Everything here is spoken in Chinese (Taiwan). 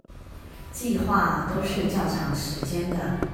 計畫都是較長時間的